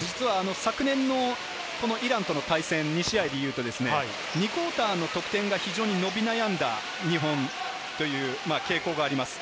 実は昨年のイランとの対戦、２試合でいうと２クオーターの得点が非常に伸び悩んだ日本という傾向があります。